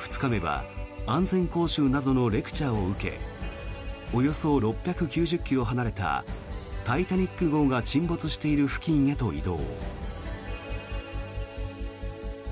２日目は安全講習などのレクチャーを受けおよそ６９０ｋｍ離れた「タイタニック号」が沈没している付近へと移動。